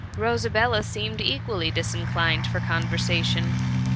Rosabella seemed equally disinclined for con versation.